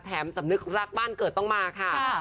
แถมสำนึกรักบ้านเกิดต้องมาค่ะค่ะค่ะค่ะ